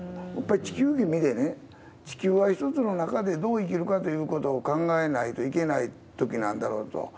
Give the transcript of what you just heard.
やっぱり地球儀見てね、地球は一つの中でどう生きるかということを考えないといけないときなんだろうと。